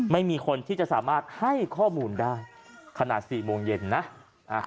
ไม่มีคนที่จะสามารถให้ข้อมูลได้ขนาดสี่โมงเย็นนะอ่า